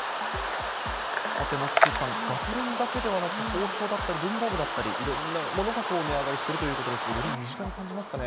さて、モッチーさん、ガソリンだけでなく包丁だったり、文房具だったり、いろんなものが値上がりしてるということですが、より身近に感じますかね。